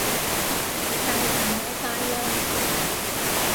大人有大量